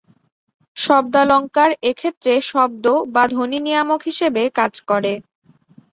শব্দালঙ্কার এক্ষেত্রে শব্দ বা ধ্বনি নিয়ামক হিসেবে কাজ করে।